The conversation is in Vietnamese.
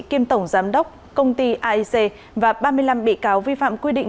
kiêm tổng giám đốc công ty aic và ba mươi năm bị cáo vi phạm quy định